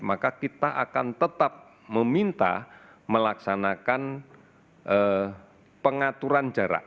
maka kita akan tetap meminta melaksanakan pengaturan jarak